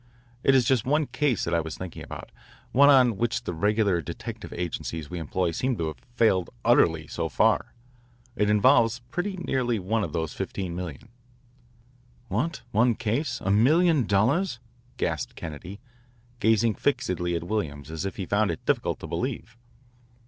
It is just one case that I was thinking about one on which the regular detective agencies we employ seem to have failed utterly so far. It involves pretty nearly one of those fifteen millions." "What? One case? A million dollars?" gasped Kennedy, gazing fixedly at Williams as if he found it difficult to believe.